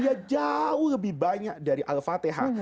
dia jauh lebih banyak dari al fatihah